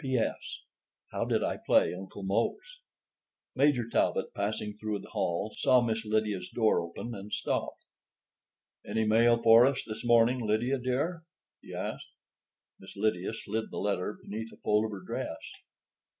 P.S. How did I play Uncle Mose? Major Talbot, passing through the hall, saw Miss Lydia's door open and stopped. "Any mail for us this morning, Lydia, dear?" he asked. Miss Lydia slid the letter beneath a fold of her dress.